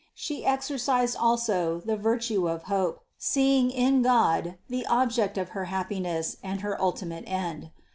She exercised also the virtue of hope, seeing in God the object of her happiness and her ultimate end.